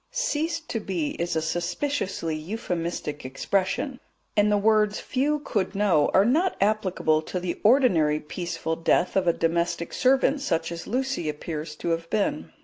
"Ceased to be" is a suspiciously euphemistic expression, and the words "few could know" are not applicable to the ordinary peaceful death of a domestic servant such as Lucy appears to have been.